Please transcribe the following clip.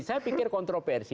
saya pikir kontroversi